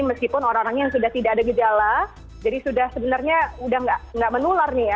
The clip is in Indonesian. meskipun orang orang yang sudah tidak ada gejala jadi sudah sebenarnya sudah tidak menular nih ya